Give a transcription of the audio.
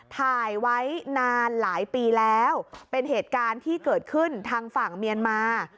ถ่ายไว้นานหลายปีแล้วเป็นเหตุการณ์ที่เกิดขึ้นทางฝั่งเมียนมา